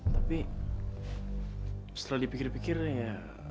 tapi setelah dipikir pikir ya